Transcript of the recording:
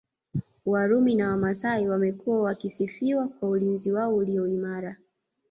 Warumi na Wamasai wamekuwa wakisifiwa kwa ulinzi wao ulio imara